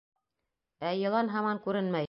Ә йылан һаман күренмәй.